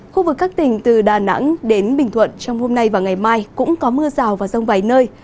khu vực các tỉnh từ đà nẵng đến bình thuận trong hôm nay và ngày mai cũng có mưa rào và rông vài nơi